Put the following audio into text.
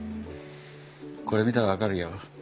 これ見たら分かるよ。